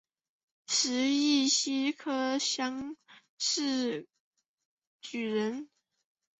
十一年乙酉科乡试举人。